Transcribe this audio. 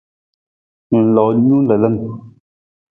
Ng loo nung lalan.